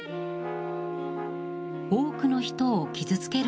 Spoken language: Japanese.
多くの人を傷つける